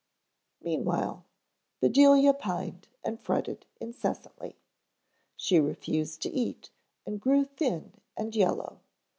Meanwhile Bedelia pined and fretted incessantly. She refused to eat and grew thin and yellow.